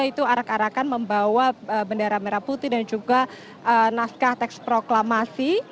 itu arak arakan membawa bendera merah putih dan juga naskah teks proklamasi